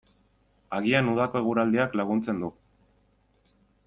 Agian udako eguraldiak laguntzen du.